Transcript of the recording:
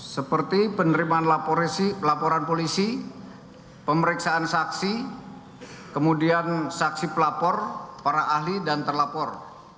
seperti penerimaan laporan polisi pemeriksaan saksi kemudian saksi pelapor para ahli dan terlapor